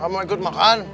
gak mau ikut makan